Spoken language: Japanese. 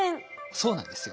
そうなんですよ。